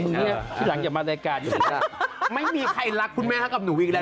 พี่รังอย่ามารายการไม่มีใครรักคุณแม่แล้วกับหนูอีกแล้ว